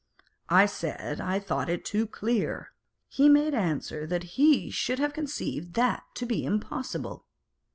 I said I thought it too clear. He made answer that he should have conceived that to be impossible.